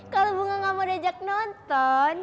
kalau bunga gak mau dejak nonton